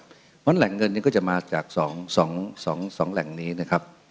เพราะฉะนั้นแหล่งเงินนี้ก็จะมาจากสองสองสองสองแหล่งนี้นะครับ